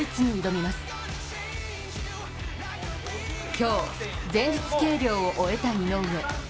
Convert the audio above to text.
今日、前日計量を終えた井上。